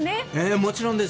もちろんです。